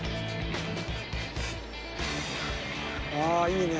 あいいね